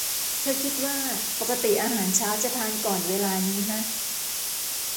เธอคิดว่า ปกติอาหารเช้าจะทานก่อนเวลานี้นะ